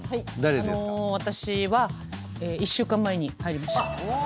あの私は１週間前に入りました。